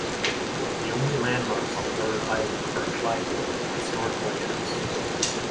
The only landmarks on Bird Island are a flagpole and a historic lighthouse.